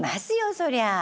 そりゃあ。